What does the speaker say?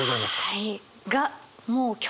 はい。